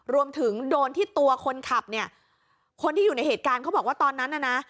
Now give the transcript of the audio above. รวมถึงโดนที่ตัวคนขับเนี่ยคนที่อยู่ในเหตุการณ์เขาบอกว่าตอนนั้นน่ะนะ